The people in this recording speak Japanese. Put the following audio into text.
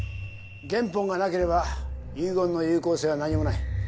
原本がなければ遺言の有効性は何もない。